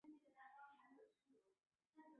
丁香色凤仙花为凤仙花科凤仙花属的植物。